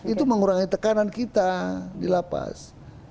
itu mengurangi tekanan kita di lapas